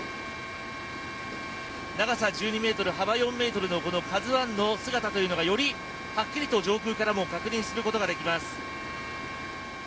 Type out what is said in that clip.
長さ１２ｍ、幅４ｍの「ＫＡＺＵ１」の姿というのがよりはっきりと上空からも確認することができます。